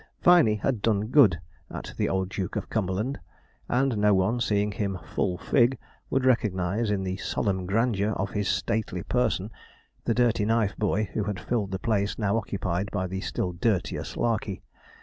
Viney had done good at the Old Duke of Cumberland; and no one, seeing him 'full fig,' would recognize, in the solemn grandeur of his stately person, the dirty knife boy who had filled the place now occupied by the still dirtier Slarkey.